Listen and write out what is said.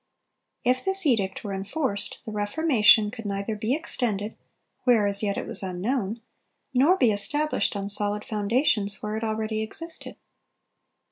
If this edict were enforced, "the Reformation could neither be extended ... where as yet it was unknown, nor be established on solid foundations ... where it already existed."